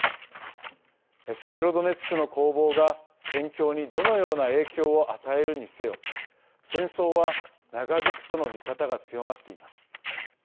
セベロドネツクの攻防が戦況にどのような影響を与えるにせよ戦争は長引くとの見方が強まっています。